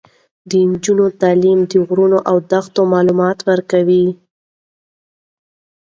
د نجونو تعلیم د غرونو او دښتو معلومات ورکوي.